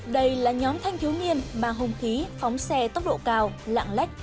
đây là nhóm thanh thiếu niên mang hung khí phóng xe tốc độ cao lạng lách